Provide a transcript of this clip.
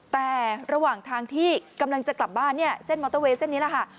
แต่ระหว่างทางที่กำลังจะกลับบ้านเนี่ยเส้นมอเตอร์เวย์เส้นนี้แหละค่ะ